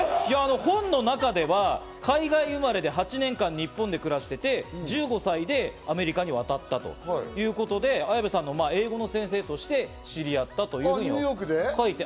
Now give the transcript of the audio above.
本の中では海外生まれで８年間、日本で暮らしていて、１５歳でアメリカに渡ったということで、綾部さんの英語の先生として知り合ったということです。